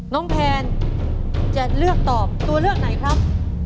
แพนจะเลือกตอบตัวเลือกไหนครับ